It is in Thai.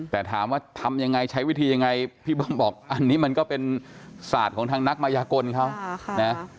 แต่ถามว่าทำยังไงใช้วิธียังไงพี่เบิ้มบอกอันนี้มันก็เป็นศาสตร์ของทางนักมายากลเขานะ